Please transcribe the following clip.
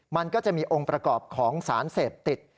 มันก็จะมีองค์ประกอบของสารเสพติด